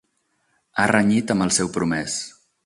Ha renyit amb el seu promès.